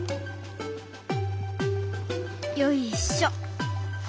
よいしょ。